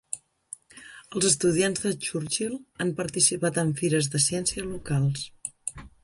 Els estudiants de Churchill han participat en fires de ciència locals.